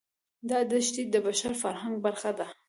دا دښتې د بشري فرهنګ برخه ده.